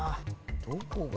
どこが。